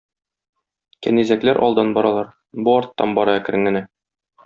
Кәнизәкләр алдан баралар, бу арттан бара әкрен генә.